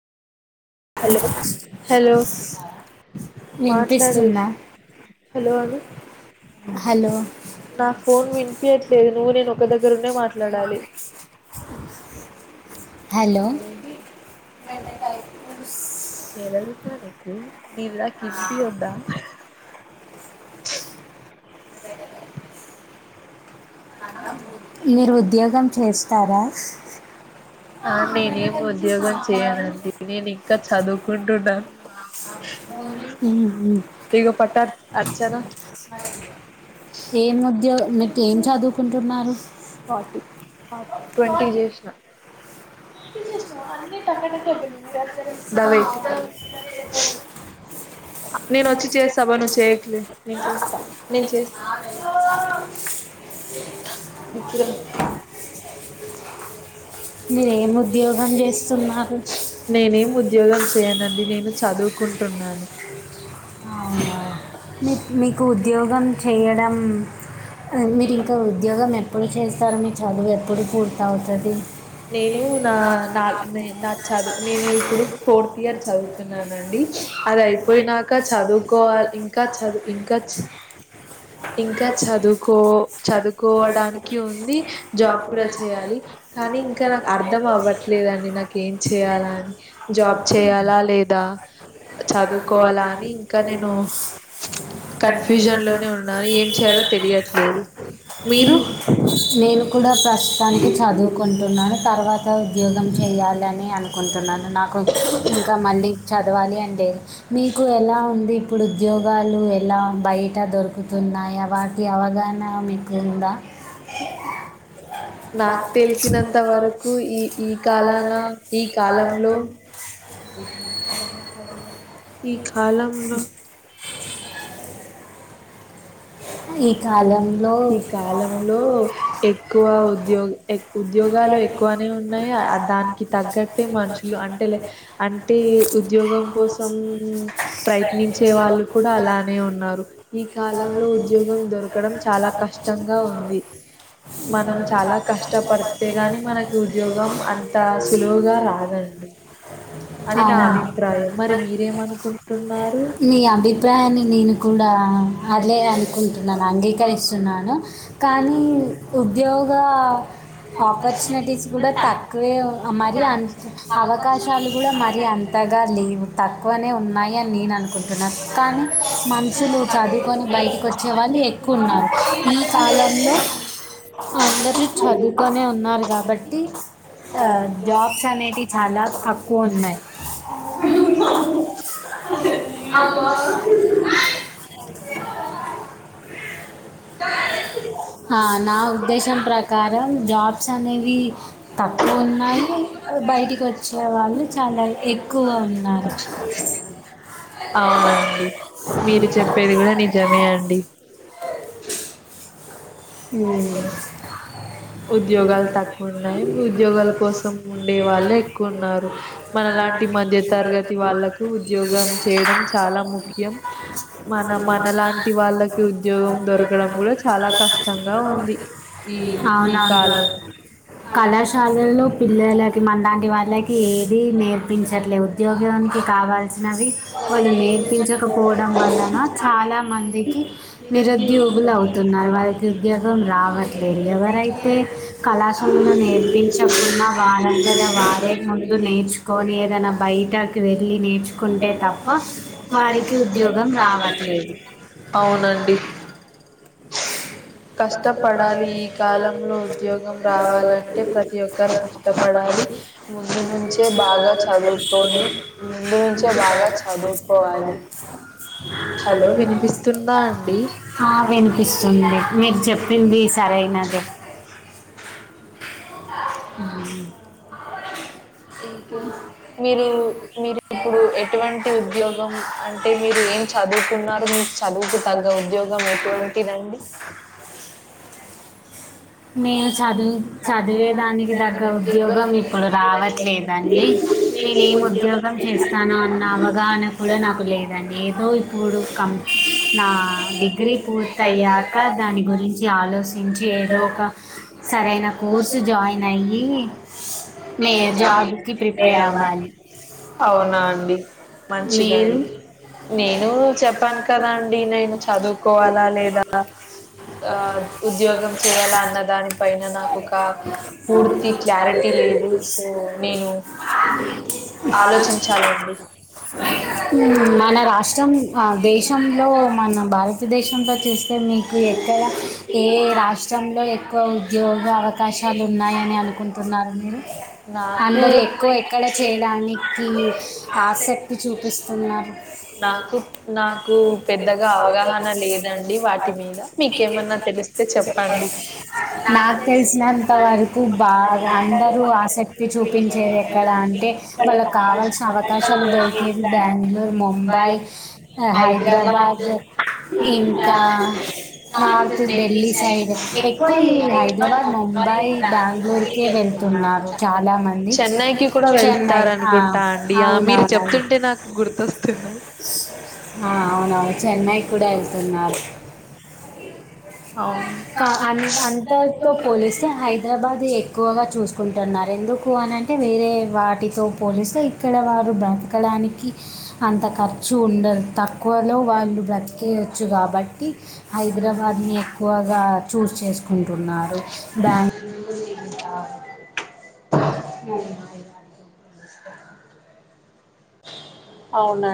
Hello hello మాట్లాడ వినిపిస్తుందా hello అను hello నా ఫోన్ వినిపయట్లేదు నువ్వు నేను ఒక దగ్గర ఉండే మాట్ లడాలి [inaudible] హలో వెదగు ప కకి నివలా కితి ఉ అ మీరు ఉద్యోగం చేస్తారా ఆ నేనేమి ఉద్యోగం చేయనండి నేను ఇంకా చదువుకుంటున్నాను మ్మ్. ఇగ పట్టార్ అర్చనా ఏం ఉద్యోగ మీకు ఏం చదువుకుంటున్నారు ఫార్టీ ట్వంటీ చేసిన దా వెయిట్ నేను వచ్చి చేస్తా అవ్వ నువ్వు చేస్తాను చేయకులే నేను చేస్తా [unintelligible] ఇప్పు మీరు ఏం ఉద్యోగం చేస్తున్నారు నేను ఉద్యోగం చేయనడి నేను చదువుకుంటున్నాను అవును మీ మీకు ఉద్యోగం చేయడం మీరు ఇంకా ఉద్యోగం ఎప్పుడు చేస్తారు మీ చదువు ఎప్పుడు పూర్తి అవుతుంది నేను నా నా నా చదువు నేను ఇప్పుడు ఫోర్త్ ఇయర్ చదువుతున్నానండి అద అయిపోయినాక చదువుకోవాలి ఇంకా చదువు ఇంకా ఇంకా చదువుకో చదువుకోవడానికి ఉంది జాబ్ కూడా చేయాలి కానీ ఇంకా నాకు అర్ధం అవ్వట్లేదండి నాకు ఏం చెయాలా అని జాబ్ చేయాలా లేదా చదువుకోవాలా అని ఇంకా నేను కన్ఫ్యూజన్ లోనే ఉ ని ఏం చేయాలో తెలియట్లేదు మీరు నేను కూడా ప్రస్తుతానికి చదువుకుంటున్నాను తర్వాత ఇకా ఉద్యోగం చేయాలని అనుకుంటున్నాను నాకు ఇంకా మళ్ళీ చదవాలి అ అడి మీకు ఎలా ఉ ఇప్పుడు ఉద్యోగాలు ఎలా బయట దొరుకుతున్నాయా వాటి అవగాహన మీకుందా నాకు తెలిసినంత వరకు ఈ ఈ కాలాల ఈ కాలంలో ఈ కాలంలో అ ఈ కాలంలో ఎక్కువ ఉద్యోగ ఉద్యోగ ఉలు ఎక్కువనే ఉన్నాయి దానికి తగ్గట్ే మనుషులు అంటే అంటే ఉద్యో కోసం ప్రయత్ నించే వాళ్ళు కూడా అలానే ఉన్నారు ఈ కాలంలో ఉద్యోగం దొరకడం చాలా కష్టంగా ఉంది మనం చాలా కష్టపడితే గాని మనకి ఉద్యోగం అంత సులువుగా రాద అని నా అవును అభిప్రాయం మరి మీరేమనుకుంటు నీ అభిప్రాయాన్ని నేను కూడా అలే అనుకుంటు నన్ను అంగీకరిస్తున్నాను కానీ ఉద్యోగ ఆపర్చునిటీస్ కూడా తక్కువే మరి అంత అవకాశాలు కూడా మరి అంత [unintelligible] తక్కువనే ఉన్నాయిని నేను అనుకుంటున్నా కానీ మనుసులు చదువుకొని బయటకి వచ్చి వాళ్ళు ఎక్కువ ఉన్నారు ఈ కాలంలో అందరూ చదువుకొనే ఉన్నారు కాబట్టి జాబ్స్ అనేవి చాలా తక్కువ ఉన్నాయి ఆ నా ఉద్దేశం ప్రకారం జాబ్స్ అనేవి తక్కువ ఉన్నాయి బయటికి వచ్చే వాళ్ళు చాలా ఎక్కువ ఉన్నారు అవునండి మీరు చెప్పేది కూడా నిజమే అండి ఉద్యోగాలు తక్కువ ఉన్నాయి ఉద్యోగాల కోసం ఉండే వాళ్ళు ఎక్కువ ఉన్నారు మనలాంటి మధ్య తరగతి వాళ్ళలకు ఉద్యోగం చేయడం చాలా ముఖ్యం మన మనలాంటి ఉమ్. వాళ్ళకి ఉద్యోగం దొరకడం కూడా చాలా కష్టం అవున కాలం కళాశాలలో పిల్లలకి మనలాంటి వాళ్ళకి ఏది నేర్పించట్లేదు ఉద్యోగం కావాల్సినవి వాళ్ళు నేర్పించకపోవడం వలన చాలా మందికి నిరుద్యోగులు అవుతున్నారు వారి ని ఉద్యోగం రావట్లేదు ఎవరైతే కళాశలు నేర్పించకుండా వార అదనా వారే ముందు నేర్చుకొని ఏదైనా బయటకి వెళ్ళి నేర్చుకుంటే తప్ప వారికి ఉద్యోగం రావట్లేదు అవునండి కష్టపడాలి ఈ కాలంలో ఉద్యోగం బ [unintelligible] రావాలంటే ప్రతి ఒక్కరు కష్టపడ [unintelligible] కష్టపడాలి ముందు నుంచే బాగా భాగ చదువుకొని ముందు నుంచే బాగా చెస్యుకోవాలి చదువుకోవాలి హలో వినిపిస్తుందా అండి ఆ వినిపిస్తుంది ఆండి మీరు చెప్పింది సరినేధేన అ [unintelligible] ఇంకే మీరు మీరు ఇప్పుడు ఎటువంటి ఉద్యోగం అంటే మీరు ఏం చదువుతున్నారు మీకు చదువుకు తగ్గ ఉద్యోగం ఎటువంటిదండి నేను చదువు చదివేదానికి తగ్గ ఉద్యోగం ఇప్పుడు రావట్లేదండి నేనే ఏం ఉద్యోగం చేస్తాన అన్న అవగాహన కూడా నాకు లేదండి ఏదో ఇప్పుడు కం నా డిగ్రీ పూర్త అయ్యాక దాని గురించి ఆలోచించి ఏదో ఒక సరైన కోర్సు జాయిన్ అయ్యి నే జాబ్కి ప్రిపేర్ అవ్వాలి [unintelligible] అవునా అండి మంచిదడి మీరు నేను చెప్పాను కదా అండి నేను చదువుకోవాలా లేదా ఆ ఉద్యోగం చేయాల అన్నదానికి చ [unintelligible] క్లారిటీ లేదు సో నేను ఆలోచించాలండి అలోచిన్‌చండి మన రాష్ట్రం దేశంలో మన భారతదేశంలో చూస్తే మీ ఎక్కడ ఏ రాష్ట్రంలో ఎక్కువ ఉద్యోగ అవకాశాలు ఉన్నాయని అనుకుంటున్నారు మీరు నాకు అందరుూ ఎక్కువ ఎక్కడ చేయడానికి ఆసక్తి చూపిస్తున్నారు నాకు నాకు అ పెద్దగా అవగాహన లేదండి వాటి మీద [unintelligible] మీకేమన్నా [unintelligible] తెలిస్తే చెప్పండి నాకు తెలిసినంత వరకు బాగా అందరూ ఆసక్తి చూపించేది ఎక్కడ అంటే వాళ్ళ కావాల్సిన అవకాశాలు దొరికేవి బెంగళూరు ముంబై హైదరాబాద్ బాద్ ఇంకా నార్త్ ఢిల్లీ సైడ్ ఎక్కువ హైదరాబాద్ ముంబై బెంగళూరుక వెళ్తున్నారు చాలా మంది చె చెన్నైకి కూడా చెన్నై కైనా వెళ్తారనుకుంటా అండి ఆ మీరు అవునవున చెప్తుంటే నాకు గుర్తొస్తున్నది ఆ అవునవు చెన్నైకి కూడా వెళ్తున్నారు అవును కా అ అంతతో పోలిస్తే హైదరాబాద్ ఎక్కువగా చూసుకుంటున్నారు ఎందుకు అనింటే వేరే వాటితో పోలిస్తే ఇక్కడ వారు బ్రతకడానికి అ అంత ఖర్చు ఉండదు తక్కువలో వాళ్ళు బ్రతికేయచ్చు కాబట్టి హైదరాబాద్ ఎక్కువగా చూస్ చేసుకుంటున్నారు బ్యా [unintelligible] అవునా